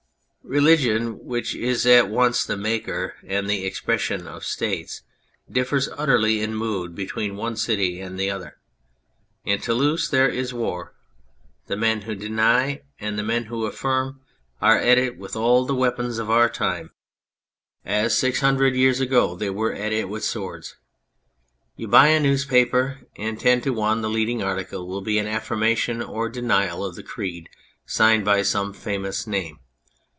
Religion, which is at once the maker and the ex pression of States, differs utterly in mood between one city and the other. In Toulouse there is war. The men who deny and the men who affirm are at it with all the weapons of our time, as six hundred 269 On Anything years ago they were at it with swords. You buy a newspaper, and ten to one the leading article will be an affirmation or a denial of the creed signed by some famous name.